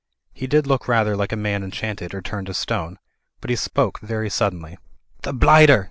He did look rather like a man enchanted or turned to stone. But he spoke very suddenly. "The blighter